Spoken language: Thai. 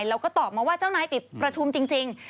แล้วก็ตอบมาว่าเจ้านายติดประชุมจริง